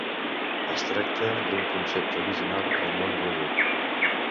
Es tracta d'un concepte originat al món bloguer.